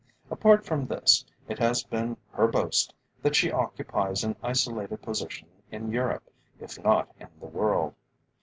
Apart from this, it has been her boast that she occupies an isolated position in Europe, if not in the world.